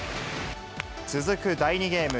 続く第２ゲーム。